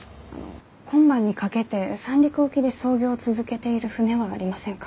今晩にかけて三陸沖で操業を続けている船はありませんか？